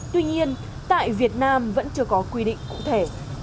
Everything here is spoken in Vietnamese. tuy nhiên tại việt nam vẫn chưa có quy định cụ thể